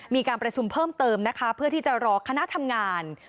มีการประชุมเพิ่มเติมนะคะเพื่อที่จะรอคณะทำงาน